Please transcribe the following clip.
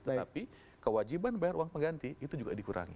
tetapi kewajiban bayar uang pengganti itu juga dikurangi